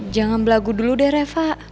jangan belagu dulu deh reva